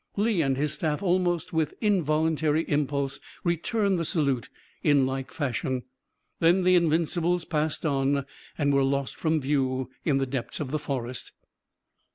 Lee and his staff almost with involuntary impulse returned the salute in like fashion. Then the Invincibles passed on, and were lost from view in the depths of the forest.